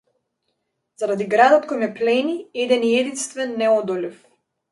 Заради градот кој ме плени - еден и единствен, неодолив.